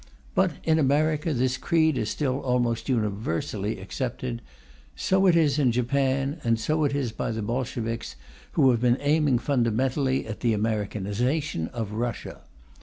But in America this creed is still almost universally accepted; so it is in Japan, and so it is by the Bolsheviks, who have been aiming fundamentally at the Americanization of Russia.